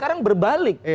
ada yang berbalik